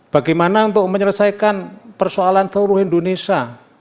bagaimana untuk menyelesaikan persoalan seluruh indonesia